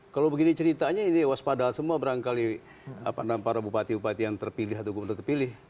kalau begini ceritanya ini waspadal semua berangkali para bupati bupati yang terpilih atau gubernur terpilih